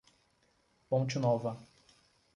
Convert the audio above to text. Ponte Nova